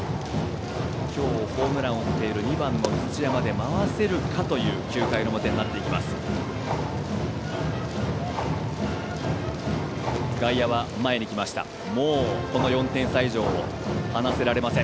今日、ホームランを打っている２番の土屋まで回せるかという９回の表になっていきます。